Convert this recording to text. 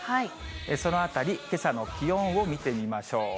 そのあたり、けさの気温を見てみましょう。